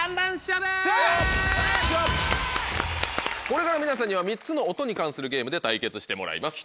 これから皆さんには３つの音に関するゲームで対決してもらいます。